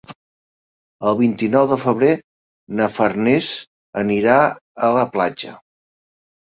El vint-i-nou de febrer na Farners anirà a la platja.